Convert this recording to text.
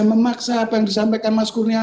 memaksa apa yang disampaikan mas kurnia